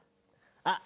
あっ！